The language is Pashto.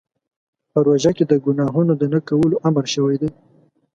په روژه کې د ګناهونو د نه کولو امر شوی دی.